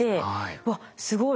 わっすごい。